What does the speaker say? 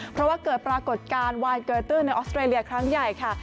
เพราะว่าเกิดปรากฏการณ์วายเกยตื้นในออสเตรเลียครั้งใหญ่ค่ะ